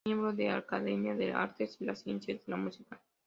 Es miembro de la Academia de las Artes y las Ciencias de la Música.